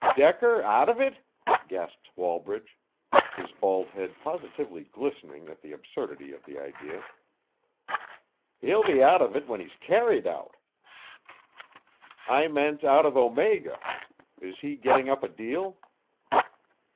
"Decker out of it!" gasped Wallbridge, his bald head positively glistening at the absurdity of the idea. "He'll be out of it when he's carried out." "I meant out of Omega. Is he getting up a deal?"